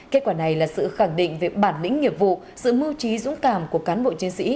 kết quả này là sự khẳng định về bản lĩnh nghiệp vụ sự mưu trí dũng cảm của cán bộ chiến sĩ